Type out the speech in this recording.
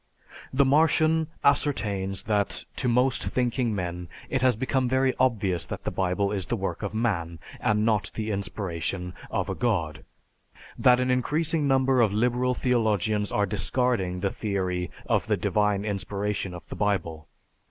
_") The Martian ascertains that to most thinking men it has become very obvious that the Bible is the work of man, and not the inspiration of a god; that an increasing number of liberal theologians are discarding the theory of the divine inspiration of the Bible.